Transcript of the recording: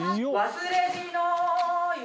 「忘れじの」